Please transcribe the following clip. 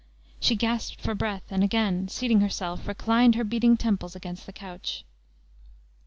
She gasped for breath, and again seating herself, reclined her beating temples against the couch.